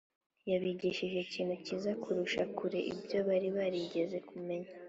yabigishije ikintu cyiza kurusha kure ibyo bari barigeze kumenya